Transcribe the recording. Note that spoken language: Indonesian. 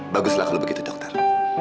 baguslah kalau begitu dokter